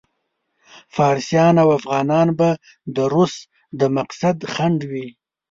فارسیان او افغانان به د روس د مقصد خنډ وي.